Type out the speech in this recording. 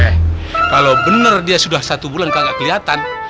eh kalau bener dia sudah satu bulan kagak keliatan